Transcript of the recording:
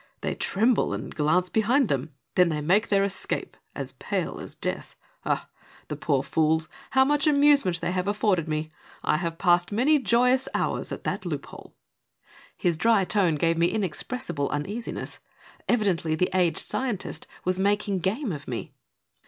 They tremble and glance behind them ; then they make their escape, as pale as death. Ah 1 the poor fools, how much amusement they have afforded me! I have passed many joyous hours at that loop hole !" 324 A STRANGE PHILOSOPHER. His dry tone gave me inexpressible uneasiness. Evi dently the aged scientist was making game of me.